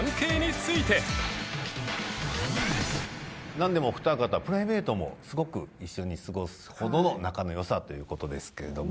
なんでもお二方プライベートもすごく一緒に過ごすほどの仲の良さという事ですけれども。